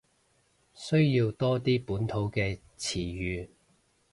需要多啲本土嘅詞語